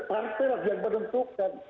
partai yang menentukan